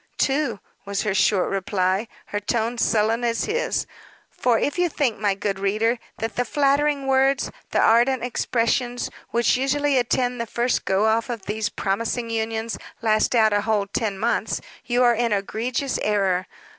"Two," was her short reply, her tone sullen as his. For if you think my good reader, that the flattering words, the ardent expressions, which usually attend the first go off of these promising unions last out a whole ten months, you are in egregious error.